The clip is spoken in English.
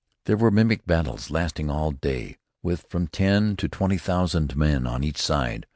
There were mimic battles, lasting all day, with from ten to twenty thousand men on each side.